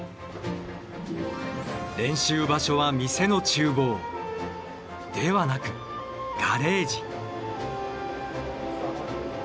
練習場所は店の厨房ではなくガレージ。